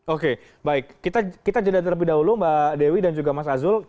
oke baik kita jeda terlebih dahulu mbak dewi dan juga mas azul